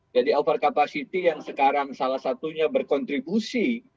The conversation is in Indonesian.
jadi overcapacity yang sekarang salah satunya berkontribusi